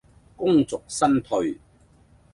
功遂身退